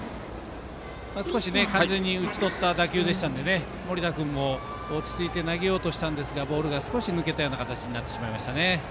完全に打ち取った打球だったので森田君も落ち着いて投げようとしたんですがボールが少し抜けたような形になってしまいましたね。